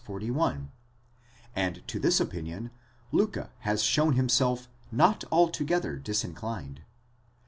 41 ; and to this opinion Liicke has shown himself not altogether disinclined.